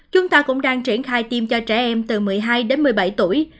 chúng ta cũng đang triển khai tiêm cho trẻ em từ một mươi hai đến một mươi bảy tuổi